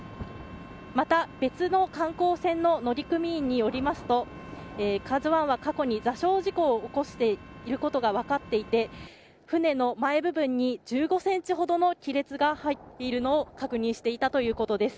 また別の観光船の乗組員によりますとＫＡＺＵ１は過去に座礁事故を起こしていることが分かっていて船の前部分に１５センチほどの亀裂が入っているのを確認していたということです。